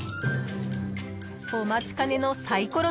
［お待ちかねのサイコロ